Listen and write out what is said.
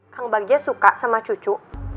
kang bagija suka sama cucu